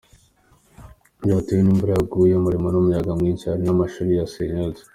Byatewe n’imvura yaguye irimo n’umuyaga mwinshi hari n’amashuri yasenyutse.